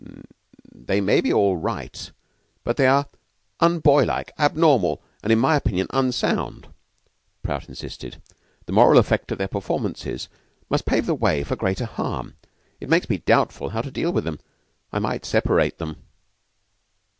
"They may be all right, but they are unboylike, abnormal, and, in my opinion, unsound," Prout insisted. "The moral effect of their performances must pave the way for greater harm. It makes me doubtful how to deal with them. I might separate them."